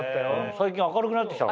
最近明るくなってきたの。